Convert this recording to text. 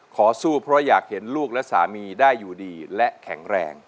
สู้เพราะอยากเห็นลูกและสามีได้อยู่ดีและแข็งแรง